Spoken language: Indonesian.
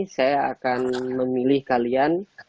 saya akan memilih kalian